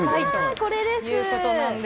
これです。